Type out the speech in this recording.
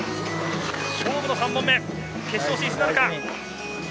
勝負の３本目、決勝進出なるか。